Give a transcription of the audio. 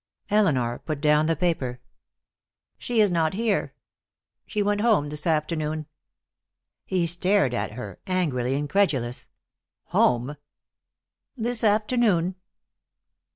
Elinor put down the paper. "She is not here. She went home this afternoon." He stared at her, angrily incredulous. "Home?" "This afternoon."